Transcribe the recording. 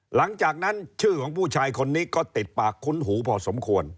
หลังจากนั้นชื่อของผู้ชายคนนี้ก็ติดปากคุ้นหูพอสมควร